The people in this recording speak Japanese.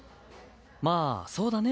まあそうだね。